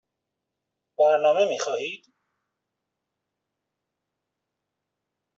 برنامه می خواهید؟